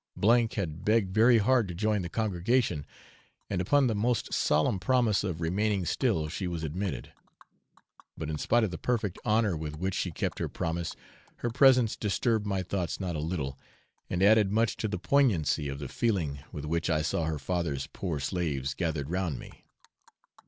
S had begged very hard to join the congregation, and upon the most solemn promise of remaining still she was admitted; but in spite of the perfect honour with which she kept her promise, her presence disturbed my thoughts not a little, and added much to the poignancy of the feeling with which I saw her father's poor slaves gathered round me.